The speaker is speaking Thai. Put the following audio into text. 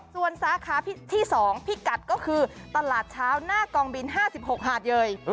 ส่วนสาขาที่๒พิกัดก็คือตลาดเช้าหน้ากองบิน๕๖หาดเยย